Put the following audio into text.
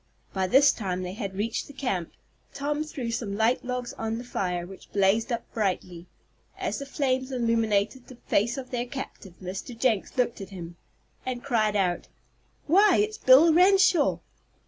By this time they had reached the camp. Tom threw some light logs on the fire, which blazed up brightly. As the flames illuminated the face of their captive, Mr. Jenks looked at him, and cried out: "Why it's Bill Renshaw!"